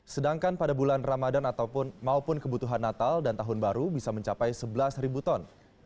sedangkan pada bulan ramadan ataupun maupun kebutuhan natal dan tahun baru bisa mencapai sebelas ribu ton